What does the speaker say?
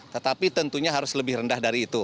tetapi tentunya harus lebih rendah dari itu